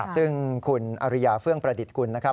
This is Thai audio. ซึ่งคุณอริยาเฟื่องประดิษฐ์กุลนะครับ